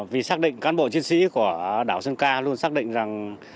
vì xác định cán bộ chiến sĩ của đảo sơn ca luôn xác định rằng